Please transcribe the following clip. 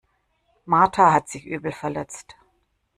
Martha hat sich übel verletzt.